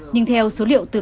nhưng theo số liệu từ việt nam